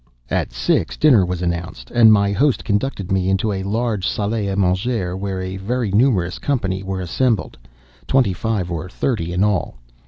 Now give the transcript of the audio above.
At six, dinner was announced; and my host conducted me into a large salle à manger, where a very numerous company were assembled—twenty five or thirty in all.